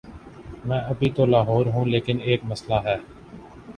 میں ابھی تو لاہور ہوں، لیکن ایک مسلہ ہے۔